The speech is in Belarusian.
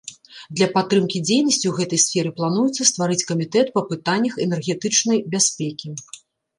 Для падтрымкі дзейнасці ў гэтай сферы плануецца стварыць камітэт па пытаннях энергетычнай бяспекі.